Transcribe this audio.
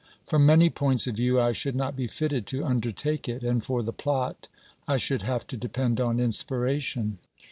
From many points of view I should not be fitted to undertake it, and for the plot I should have to depend on inspiration.